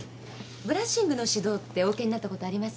ブラッシングの指導ってお受けになったことあります？